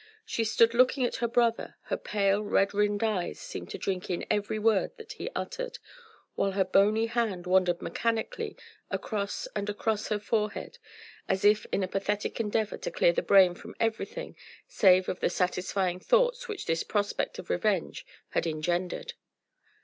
She stood looking at her brother, her pale, red rimmed eyes seemed to drink in every word that he uttered, while her bony hand wandered mechanically across and across her forehead as if in a pathetic endeavour to clear the brain from everything save of the satisfying thoughts which this prospect of revenge had engendered.